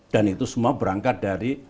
dan itu semua berangkat dari